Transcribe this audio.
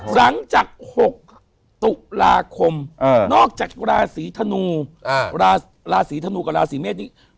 หลังจาก๖ตุลาคมนอกจากราศีธนูราศีธนูกับราศีเมษนี้